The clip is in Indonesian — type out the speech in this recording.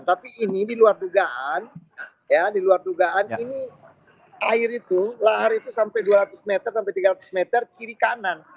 tapi ini diluar dugaan ya di luar dugaan ini air itu lahar itu sampai dua ratus meter sampai tiga ratus meter kiri kanan